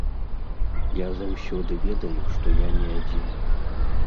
Я заўсёды ведаю, што я не адзін.